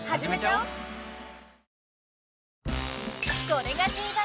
［『これが定番！